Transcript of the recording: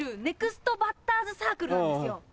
ネクストバッターズサークルなんですよ。